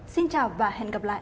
xin chào và hẹn gặp lại